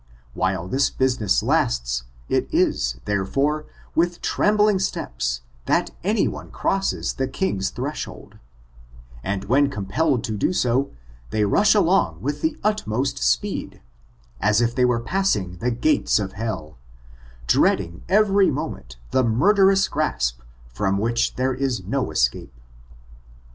While this IM^^I^I^^ »^»^^^»^»^ 248 ORlGINi CHARACTERi AND business lasts, it is, therefore, with trembling stepi^ that any one crosses the king's threshold ; and when compelled to do so, they rush along with the utmost speed (as if they were passing the gates of hell), dreading every moment the murderous grasp, from which there is no escape."